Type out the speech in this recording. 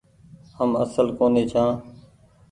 هم اسل ڪونيٚ ڇآن۔